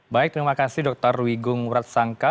baik terima kasih dokter wigung muratsangka